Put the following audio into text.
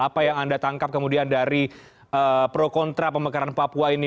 apa yang anda tangkap kemudian dari pro kontra pemekaran papua ini